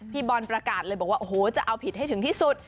พี่บอลประกาศเลยบอกว่าโอ้โหจะเอาผิดให้ถึงที่สุด